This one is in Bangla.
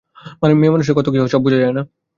মেয়েমানুষের কত কী হয়, সব বোঝা যায় না।